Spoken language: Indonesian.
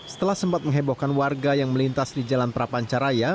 setelah sempat menghebohkan warga yang melintas di jalan prapancaraya